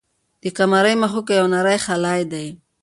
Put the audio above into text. د قمرۍ مښوکه کې یو نری خلی دی.